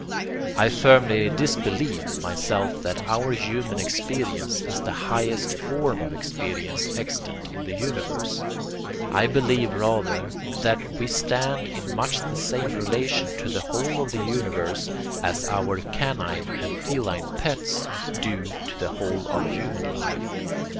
I firmly disbelieve, myself, that our human experience is the highest form of experience extant in the universe. I believe rather that we stand in much the same relation to the whole of the universe as our canine and feline pets do to the whole of human life.